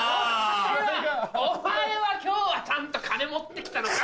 お前は今日はちゃんと金持って来たのか？